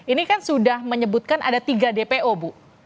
ini kan sudah menyebutkan ada tiga dpo bu